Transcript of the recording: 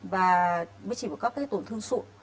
và mới chỉ có các tổn thương sụn